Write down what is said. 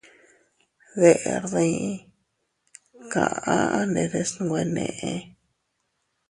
Deʼer dii, kaʼa a nderes nwe neʼe.